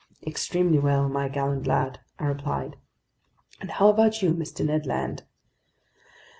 "Extremely well, my gallant lad," I replied. "And how about you, Mr. Ned Land?"